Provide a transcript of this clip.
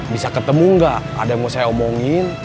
bisa ketemu nggak ada yang mau saya omongin